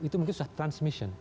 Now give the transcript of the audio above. itu mungkin sudah transmission